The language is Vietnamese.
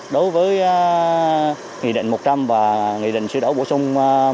đối với nghị định một trăm linh và nghị định sửa đấu bổ sung một trăm hai mươi ba